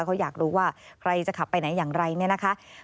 เขาอยากรู้ว่าใครจะขับไปไหนอย่างไรเนี่ยนะคะ